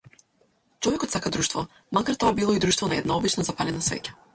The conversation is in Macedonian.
Човекот сака друштво, макар тоа било и друштвото на една обична запалена свеќа.